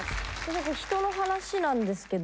人の話なんですけど。